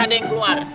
ada yang keluar